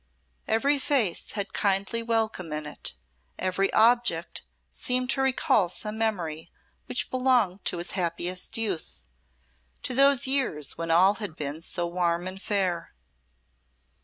Every face had kindly welcome in it, every object seemed to recall some memory which belonged to his happiest youth to those years when all had been so warm and fair.